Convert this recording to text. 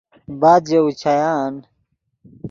بعد ژے اوچیان